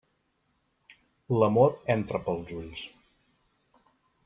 L'amor entra pels ulls.